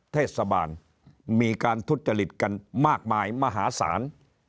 เทศบาลมีการทุจริตกันมากมายมหาศาล